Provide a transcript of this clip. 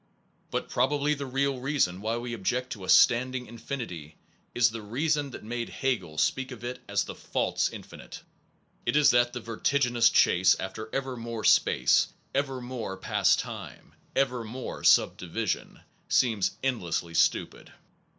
But probably the real reason why we object to a standing infinity is the reason that made Hegel speak of it as the false infinite. It is that the vertiginous chase after ever more space, ever more past time, ever more subdivision, seems endlessly stupid.